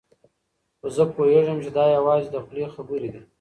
خو زه پوهېږم چې دا یوازې د خولې خبرې دي.